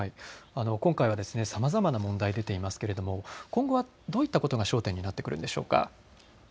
今回はさまざまな問題、出ていますけれども今後はどういったことが焦点になってくるでしょうか。